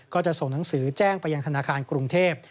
ก็จะส่งหนังสือแจ้งไปยังธนาคารกรุงเทพ